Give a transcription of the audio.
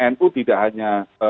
nu tidak hanya